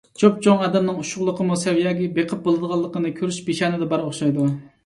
چوپچوڭ ئادەمنىڭ ئۇششۇقلۇقىمۇ سەۋىيەسىگە بېقىپ بولىدىغانلىقىنى كۆرۈش پېشانىدە بار ئوخشايدۇ.